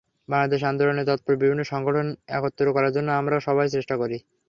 বাংলাদেশ আন্দোলনে তৎপর বিভিন্ন সংগঠন একত্র করার জন্য আমরা সবাই চেষ্টা করি।